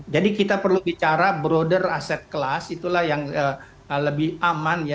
jadi kita perlu bicara broader asset class itulah yang lebih aman ya